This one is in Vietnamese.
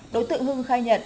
đối tượng hưng khai nhận